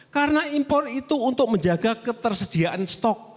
karena impor itu untuk menjaga ketersediaan stok